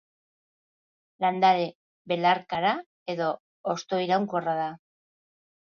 Landare belarkara eta hostoiraunkorra da.